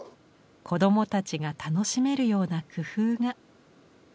子どもたちが楽しめるような工夫が。